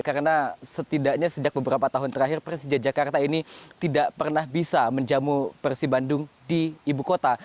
karena setidaknya sejak beberapa tahun terakhir persija jakarta ini tidak pernah bisa menjamu persib bandung di ibu kota